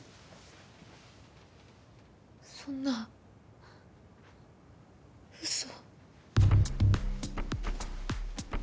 そんな嘘。